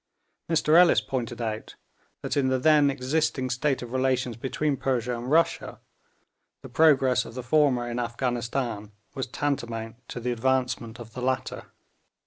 Mr Ellis pointed out that in the then existing state of relations between Persia and Russia, the progress of the former in Afghanistan was tantamount to the advancement of the latter.